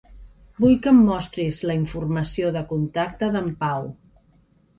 Vull que em mostris la informació de contacte d'en Pau.